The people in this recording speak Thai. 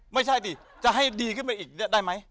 ไม่ใช่ดิจะให้ดีขึ้นไปอีกได้ไหม